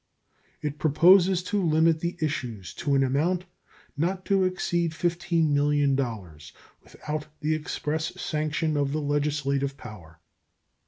It proposes to limit the issues to an amount not to exceed $15,000,000 without the express sanction of the legislative power.